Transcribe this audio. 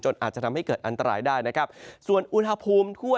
อาจจะทำให้เกิดอันตรายได้นะครับส่วนอุณหภูมิทั่ว